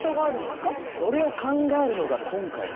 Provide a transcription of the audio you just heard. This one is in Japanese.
それを考えるのが今回の特集さ。